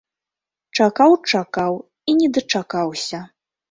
Чакаў-чакаў і не дачакаўся.